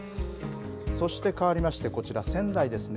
そしてかわりまして、こちら仙台ですね。